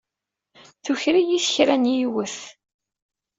Tuker-iyi-t kra n yiwet.